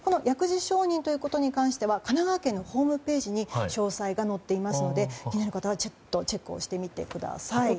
薬事承認ということに関しては神奈川県のホームページに詳細が載っていますので気になる方はチェックをしてみてください。